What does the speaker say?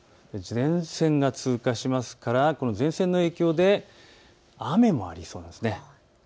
前線が通過しますからこの前線の影響で雨もありそうなんです。